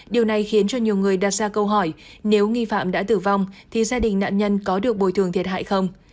điều này khiến cho nhiều người đặt ra câu hỏi nếu nghi phạm đã tử vong thì gia đình nạn nhân có được bồi thường thiệt hại không